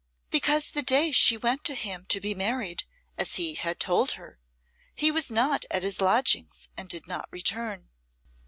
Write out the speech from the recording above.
"Because the day she went to him to be married, as he had told her, he was not at his lodgings, and did not return."